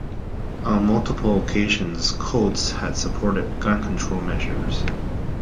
On multiple occasions, Coats has supported gun control measures.